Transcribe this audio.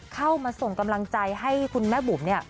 เข้ามาส่งกำลังใจให้คุณแม่บุ๋มเนี่ย